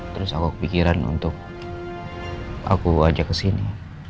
terus aku kepikiran untuk aku ajak ke sini